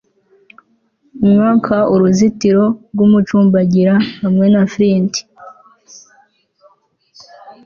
umwaka-uruzitiro rwumucumbagira hamwe na flint